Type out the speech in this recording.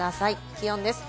気温です。